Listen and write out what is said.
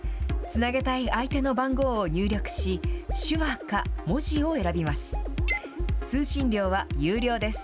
つなげたい相手の番号を入力し、手話か、文字を選びます。